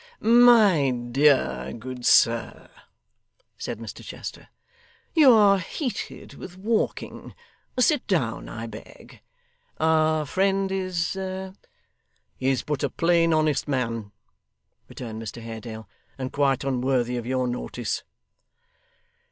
'My dear, good sir,' said Mr Chester, 'you are heated with walking. Sit down, I beg. Our friend is ' 'Is but a plain honest man,' returned Mr Haredale, 'and quite unworthy of your notice.